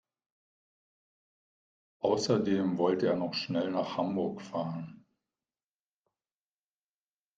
Außerdem wollte er noch schnell nach Hamburg fahren